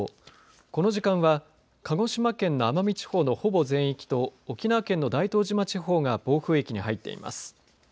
この時間は鹿児島県の奄美地方のほぼ全域と沖縄県の大東島地方が暴風域に入っています。